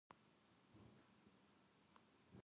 家路につきました。